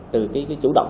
từ cái chủ động